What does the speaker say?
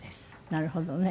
なるほどね。